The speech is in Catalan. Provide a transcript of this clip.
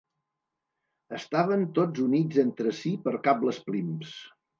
Estaven tots units entre si per cables prims.